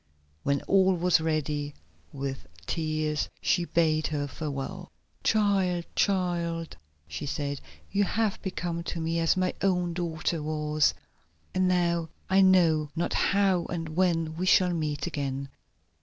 When all was ready, with tears she bade her farewell. "Child, child," she said, "you have become to me as my own daughter was, and now I know not how and when we shall meet again."